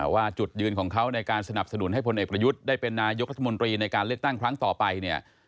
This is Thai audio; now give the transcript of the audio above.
ว่าจุดยืนของเขาในการสนับสนุนให้พลเอกประยุทธ์ได้เป็นนายกรัฐมนตรีในการเลือกตั้งครั้งต่อไปเนี่ย